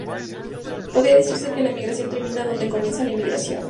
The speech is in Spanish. Podría decirse que la emigración termina donde comienza la inmigración.